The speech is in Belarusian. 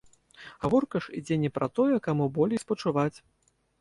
Гаворка ж ідзе не пра тое, каму болей спачуваць.